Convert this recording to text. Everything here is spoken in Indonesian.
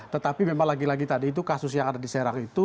tetapi memang lagi lagi tadi itu kasus yang ada di serang itu